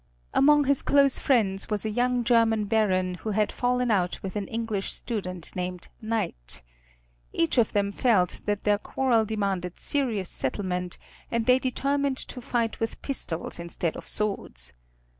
Among his close friends was a young German baron who had fallen out with an English student named Knight. Each of them felt that their quarrel demanded serious settlement and they determined to fight with pistols instead of swords.